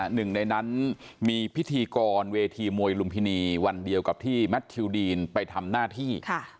หนึ่งในนั้นมีพิธีกรเวทีมวยลุมพินีวันเดียวกับที่แมททิวดีนไปทำหน้าที่